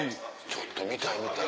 ちょっと見たい見たい。